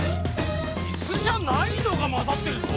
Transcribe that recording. イスじゃないのがまざってるぞ！